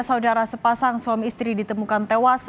saudara sepasang suami istri ditemukan tewas